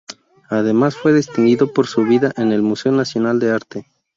Además, fue distinguido por su vida en el Museo Nacional de Arte.